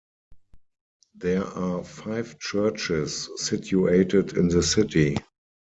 There are five churches situated in the city.